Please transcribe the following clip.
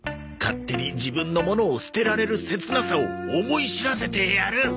勝手に自分のものを捨てられる切なさを思い知らせてやる。